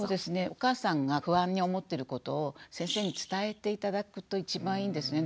お母さんが不安に思ってることを先生に伝えて頂くと一番いいんですね。